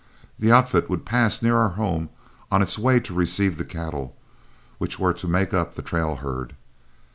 The outfit would pass near our home on its way to receive the cattle which were to make up the trail herd.